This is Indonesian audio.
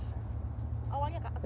awalnya aktivis ya